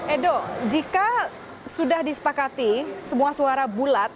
edo jika sudah disepakati semua suara bulat